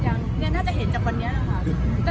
น่าจะเห็นจากวันนี้นะคะ